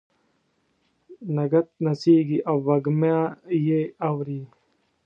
نګهت نڅیږې او وږمه یې اوري